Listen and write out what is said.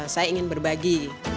saya ingin berbagi